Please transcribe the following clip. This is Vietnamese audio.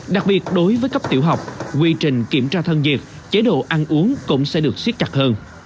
đặc biệt đối với cấp tiểu học quy trình kiểm tra thân nhiệt chế độ ăn uống cũng sẽ được xiết chặt hơn